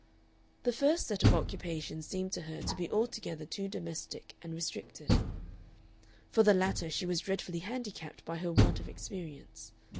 The first set of occupations seemed to her to be altogether too domestic and restricted; for the latter she was dreadfully handicapped by her want of experience.